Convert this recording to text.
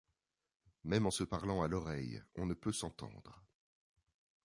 Même en se parlant à l’oreille on ne peut s’entendre.